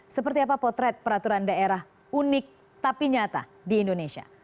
seperti apa potret peraturan daerah unik tapi nyata di indonesia